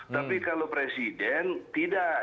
tapi kalau presiden tidak